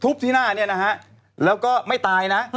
ที่หน้าเนี่ยนะฮะแล้วก็ไม่ตายนะ